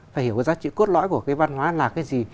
phải hiểu cái giá trị cốt lõi của cái văn hóa là cái gì